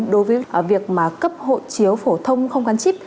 đối với việc mà cấp hộ chiếu phổ thông không gắn chip